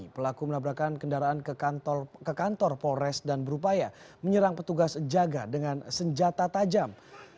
pelaku menabrakan kendaraan ke kantor polres dan berupaya menyerang petugas jaga dengan senjata tajam